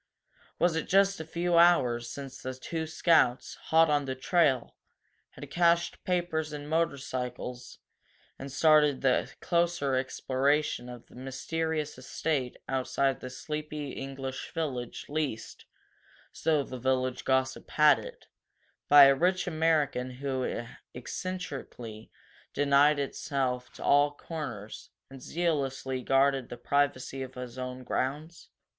Was it just a few hours since the two Scouts, hot on the trail, had cached papers and motorcycles and started the closer exploration of that mysterious estate outside the sleepy English village, leased, so the village gossip had it, by a rich American who eccentrically denied himself to all comers and zealously guarded the privacy of his grounds?